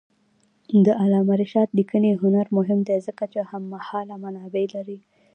د علامه رشاد لیکنی هنر مهم دی ځکه چې هممهاله منابع لري.